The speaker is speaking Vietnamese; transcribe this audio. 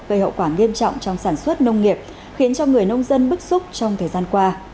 gây hậu quả nghiêm trọng trong sản xuất nông nghiệp khiến cho người nông dân bức xúc trong thời gian qua